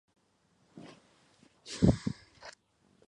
森林微蟹蛛为蟹蛛科微蟹蛛属的动物。